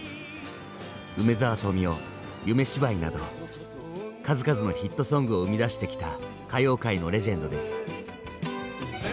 梅沢富美男「夢芝居」など数々のヒットソングを生み出してきた歌謡界のレジェンドです。